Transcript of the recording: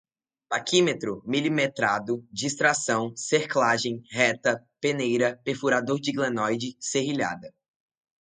paquímetro, milimetrado, distração, cerclagem, reta, peneira, perfurador de glenoide, serrilhada